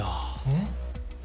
えっ？